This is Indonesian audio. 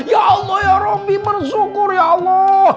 ya allah ya roby bersyukur ya allah